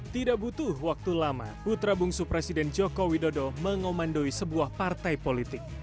tidak butuh waktu lama putra bungsu presiden joko widodo mengomandoi sebuah partai politik